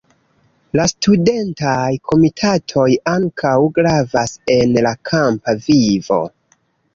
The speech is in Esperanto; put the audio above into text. La studentaj komitatoj ankaŭ gravas en la kampa vivo.